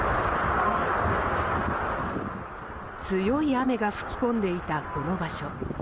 強い雨が吹き込んでいたこの場所。